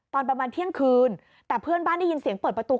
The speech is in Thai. ตอนประมาณเที่ยงคืนแต่เพื่อนบ้านได้ยินเสียงเปิดประตู